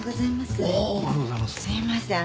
すいません。